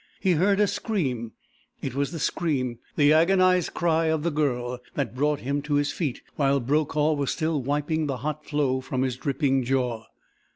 He heard a scream. It was the scream the agonized cry of the Girl, that brought him to his feet while Brokaw was still wiping the hot flow from his dripping jaw.